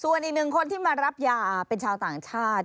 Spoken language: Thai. ส่วนอีกหนึ่งคนที่มารับยาเป็นชาวต่างชาติ